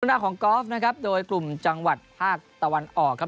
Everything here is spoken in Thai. หน้าของกอล์ฟนะครับโดยกลุ่มจังหวัดภาคตะวันออกครับ